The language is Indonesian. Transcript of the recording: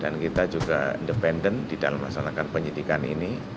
dan kita juga independen di dalam masyarakat penyidikan ini